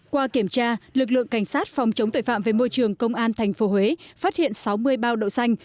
qua kiểm tra lực lượng cảnh sát phòng chống tội phạm về môi trường công an tp huế phát hiện sáu mươi bao đậu xanh